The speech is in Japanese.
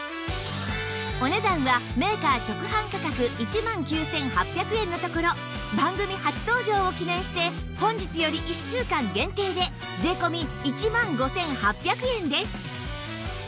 お値段はメーカー直販価格１万９８００円のところ番組初登場を記念して本日より１週間限定で税込１万５８００円です